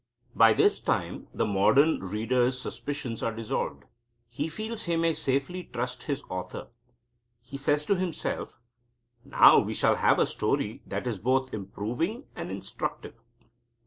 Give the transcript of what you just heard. By this time the modern reader's suspicions are dissolved. He feels he may safely trust his author. He says to himself: "Now we shall have a story that is both improving and instructive."